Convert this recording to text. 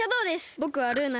ぼくはルーナで。